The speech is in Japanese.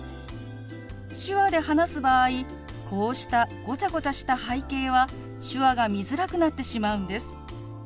手話で話す場合こうしたごちゃごちゃした背景は手話が見づらくなってしまうんです。